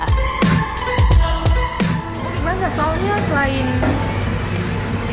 kuliner halloween dihargai rp satu ratus lima puluh dan rp dua ratus sepuluh